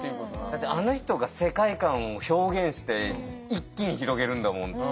だってあの人が世界観を表現して一気に広げるんだもん。